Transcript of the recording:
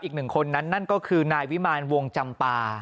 อีกหนึ่งคนนั้นนั่นก็คือนายวิมารวงจำปา